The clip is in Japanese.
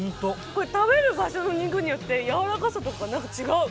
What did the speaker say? これ食べる場所の肉によってやわらかさとかなんか違う。